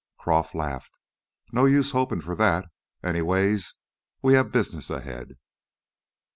Croff laughed. "No use hopin' for that. Anyways, we have business ahead."